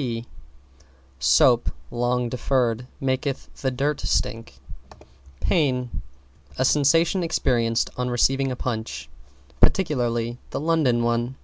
P Soap, long deferred, maketh the dirt stick. =PAIN= A sensation experienced on receiving a Punch, particularly the London one.